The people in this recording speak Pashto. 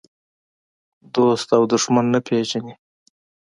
دوست او دښمن نه پېژني.